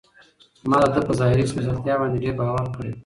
ما د ده په ظاهري سپېڅلتیا باندې ډېر باور کړی و.